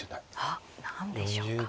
あっ何でしょうか。